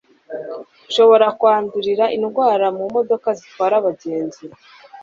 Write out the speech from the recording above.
ushobora kwandurira indwara mu modoka zitwara abagenzi